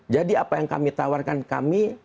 jadi apa yang kami tawarkan kami